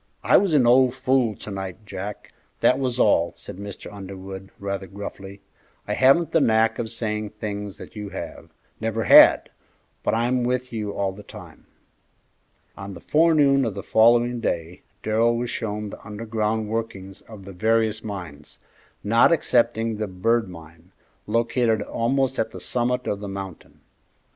"I was an old fool to night, Jack; that was all," said Mr. Underwood, rather gruffly. "I haven't the knack of saying things that you have, never had, but I'm with you all the time." On the forenoon of the following day Darrell was shown the underground workings of the various mines, not excepting the Bird Mine, located almost at the summit of the mountain.